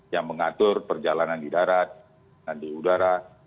yang mengatur perjalanan di darat di udara